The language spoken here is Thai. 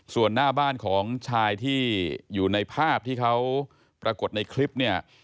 ส่วนหน้าบ้านของชายที่อยู่ในภาพที่เขาปรากฏในคลิปเนี่ย